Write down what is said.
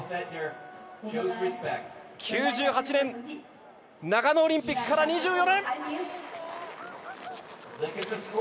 ９８年、長野オリンピックから２４年！